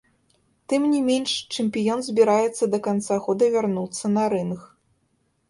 Тым не менш, чэмпіён збіраецца да канца года вярнуцца на рынг.